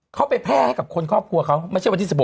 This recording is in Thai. เขาไปแพร่กับคนครอบครัวเขา